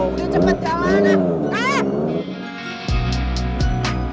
yuk cepet jalan ah